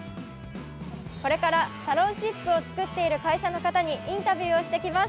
これからサロンシップを作っている会社の方にインタビューしてきます。